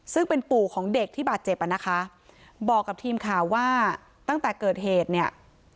ซึ่งเป็นปู่ของเด็กที่บาดเจ็บอ่ะนะคะบอกกับทีมข่าวว่าตั้งแต่เกิดเหตุเนี่ย